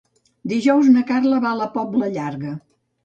Dijous na Carla va a la Pobla Llarga.